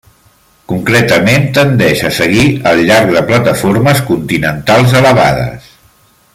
Concretament, tendeix a seguir al llarg de plataformes continentals elevades.